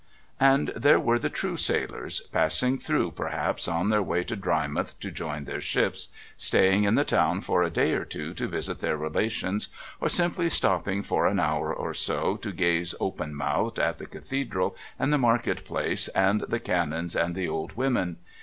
And there were the true sailors, passing through perhaps on their way to Drymouth to join their ships, staying in the town for a day or two to visit their relations, or simply stopping for an hour or so to gaze open mouthed at the Cathedral and the market place and the Canons and the old women.